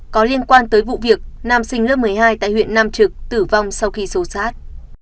có liên quan tới vụ việc nam sinh lớp một mươi hai tại huyện nam trực tử vong sau khi sâu sát